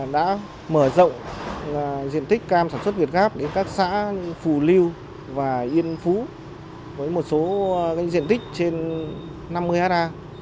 đã mở rộng diện tích cam sản xuất việt gáp đến các xã phù lưu và yên phú với một số diện tích trên năm mươi ha